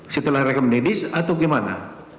setelah rekam medis atau gimana